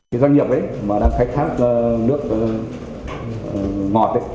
cái doanh nghiệp ấy mà đang khai thác nước ngọt ấy